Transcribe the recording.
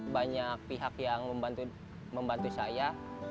banyak pihak yang membantu saya